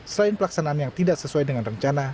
selain pelaksanaan yang tidak sesuai dengan rencana